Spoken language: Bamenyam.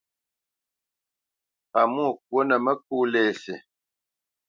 Pamwô kwô nǝ mǝkó lésî.